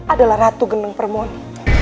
adalah ratu gendeng permoni